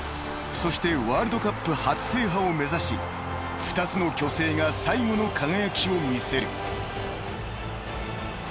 ［そしてワールドカップ初制覇を目指し２つの巨星が最後の輝きを見せる］